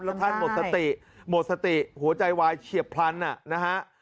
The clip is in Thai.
แล้วท่านหมดสติหมดสติหัวใจวายเฉียบพลันนะฮะ